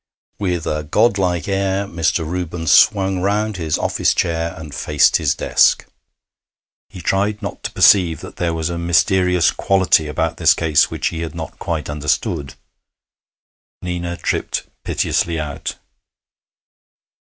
With a godlike air, Mr. Reuben swung round his office chair and faced his desk. He tried not to perceive that there was a mysterious quality about this case which he had not quite understood. Nina tripped piteously out.